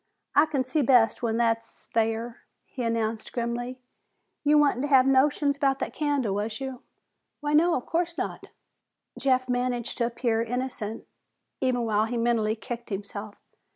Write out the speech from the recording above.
"I can see best when hit's thar," he announced grimly. "You wa'nt havin' notions 'bout that candle, was you?" "Why, no, of course not." Jeff managed to appear innocent, even while he mentally kicked himself.